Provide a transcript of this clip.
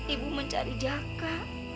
ibu mencari jaka